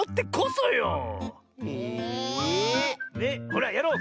ほらやろう。